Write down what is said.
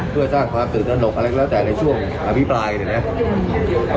เพื่อสร้างความถึงทะลกแล้วแต่ช่วงอภิปรายเนี่ยนะ